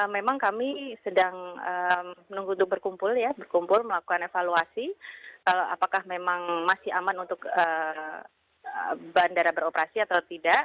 memang kami sedang menunggu untuk berkumpul ya berkumpul melakukan evaluasi apakah memang masih aman untuk bandara beroperasi atau tidak